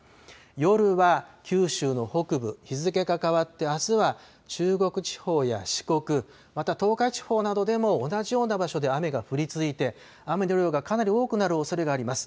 夜は九州の北部、日付が変わってあすは中国地方や四国、また東海地方などでも同じような場所で雨が降り続いて雨の量がかなり多くなるおそれがあります。